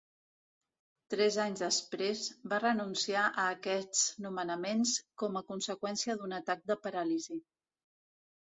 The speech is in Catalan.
Tres anys després va renunciar a aquests nomenaments com a conseqüència d'un atac de paràlisi.